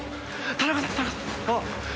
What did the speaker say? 田中さん。